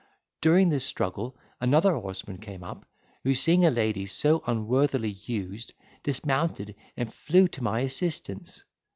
During this struggle, another horseman came up, who, seeing a lady so unworthily used, dismounted, and flew to my assistance.